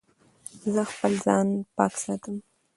زه خپل ځان پاک ساتم.